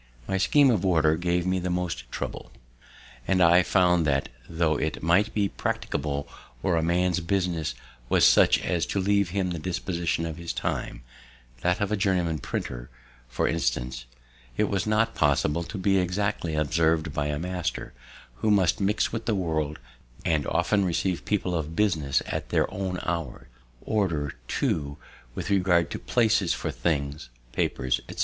My scheme of Order gave me the most trouble; and I found that, tho' it might be practicable where a man's business was such as to leave him the disposition of his time, that of a journeyman printer, for instance, it was not possible to be exactly observed by a master, who must mix with the world, and often receive people of business at their own hours. Order, too, with regard to places for things, papers, etc.